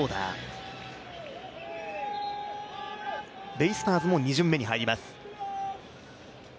ベイスターズも２巡目に入ります。